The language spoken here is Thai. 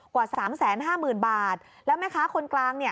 กว่า๓๕๐๐๐๐บาทและแม่ค้าคนกลางเนี่ย